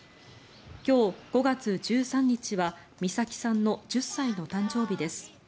今日５月１３日は美咲さんの１０歳の誕生日です。